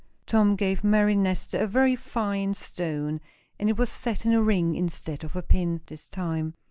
Tom gave Mary Nestor a very fine stone, and it was set in a ring, instead of a pin, this time.